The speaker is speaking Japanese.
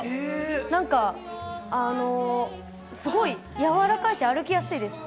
なんかあの、すごい柔らかいし、歩きやすいです。